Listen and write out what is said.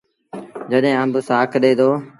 جڏهيݩ آݩب سآک ڏي دو۔